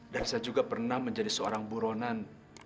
dan saya juga pernah menjadi seorang buronan